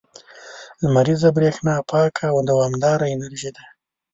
• لمریزه برېښنا پاکه او دوامداره انرژي ده.